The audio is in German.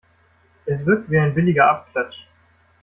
Es wirkt wie ein billiger Abklatsch.